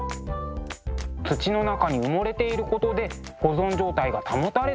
土の中に埋もれていることで保存状態が保たれたんでしょうね。